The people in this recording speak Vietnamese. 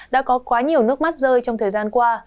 đã có quá nhiều nước mắt rơi trong thời gian qua